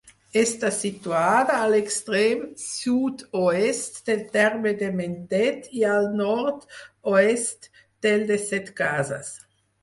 Està situada a l'extrem sud-oest del terme de Mentet i al nord-oest del de Setcases.